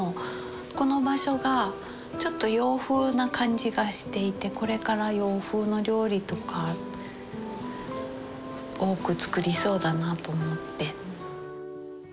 この場所がちょっと洋風な感じがしていてこれから洋風の料理とか多く作りそうだなと思って。